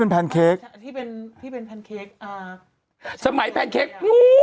เป็นการกระตุ้นการไหลเวียนของเลือด